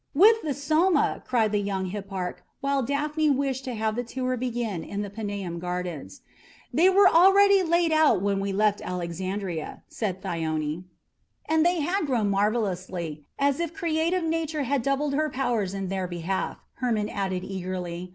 "With the Soma!" cried the young hipparch, while Daphne wished to have the tour begin in the Paneum gardens. "They were already laid out when we left Alexandria," said Thyone. "And they have grown marvellously, as if creative Nature had doubled her powers in their behalf," Hermon added eagerly.